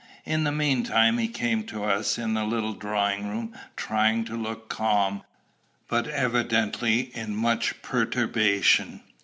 In the mean time, he came to us in the little drawing room, trying to look calm, but evidently in much perturbation.